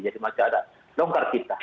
jadi masih ada longkar kita